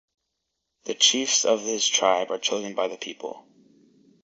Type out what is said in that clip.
The chiefs of this tribe are chosen by the people.